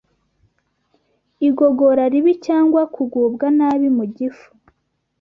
igogora ribi cyangwa kugubwa nabi mu gifu,